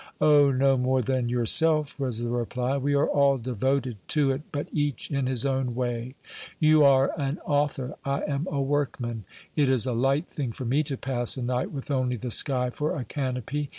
"Oh! no more than yourself," was the reply. "We are all devoted to it, but each in his own way. You are an author, I am a workman. It is a light thing for me to pass a night with only the sky for a canopy.